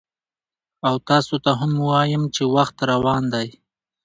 او تاسو ته هم وایم چې وخت روان دی،